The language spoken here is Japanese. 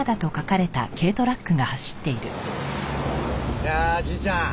いやあじいちゃん。